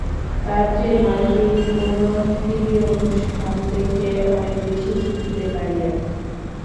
তার চেয়ে মার্কিন কোনো টিভি অনুষ্ঠান দেখে অনেক বেশি শিখতে পারি আমি।